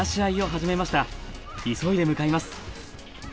急いで向かいます。